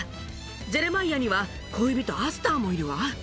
ジェレマイアには恋人、アスターもいるわ。